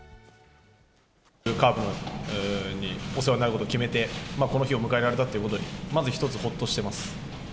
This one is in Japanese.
カープにお世話になることを決めて、この日を迎えられたということに、まず一つ、ほっとしてます。